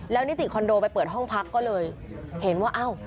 นิติคอนโดไปเปิดห้องพักก็เลยเห็นว่าอ้าว